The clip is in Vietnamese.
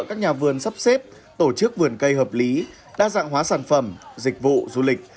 các nhà vườn sắp xếp tổ chức vườn cây hợp lý đa dạng hóa sản phẩm dịch vụ du lịch